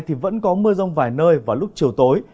thì vẫn có mưa rông vài nơi vào lúc chiều tối